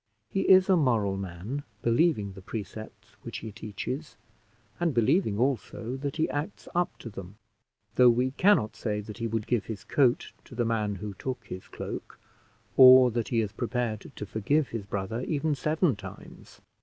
He is a moral man, believing the precepts which he teaches, and believing also that he acts up to them; though we cannot say that he would give his coat to the man who took his cloak, or that he is prepared to forgive his brother even seven times.